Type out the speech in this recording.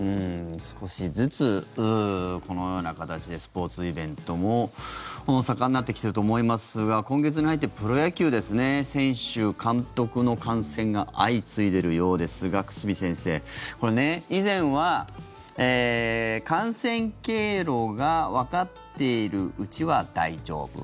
少しずつこのような形でスポーツイベントも盛んになってきていると思いますが今月に入って、プロ野球ですね選手、監督の感染が相次いでいるようですが久住先生、以前は感染経路がわかっているうちは大丈夫。